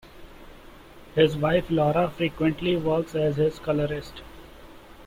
His wife, Laura, frequently works as his colorist.